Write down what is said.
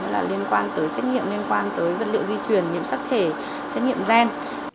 liên quan tới xét nghiệm liên quan tới vật liệu di chuyển nhiễm sắc thể xét nghiệm gen